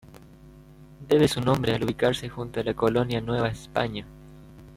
Debe su nombre al ubicarse junto a la colonia Nueva España.